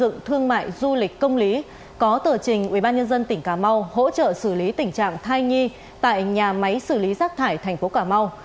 nghiên cứu thương mại du lịch công lý có tựa chỉnh ubnd tỉnh cà mau hỗ trợ xử lý tình trạng thai nhi tại nhà máy xử lý rác thải thành phố cà mau